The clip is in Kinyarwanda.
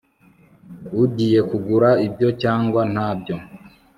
Ugiye kugura ibyo cyangwa ntabyo